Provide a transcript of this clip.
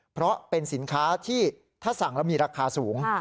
เพราะเป็นสินค้าที่ถ้าสั่งแล้วมีราคาสูง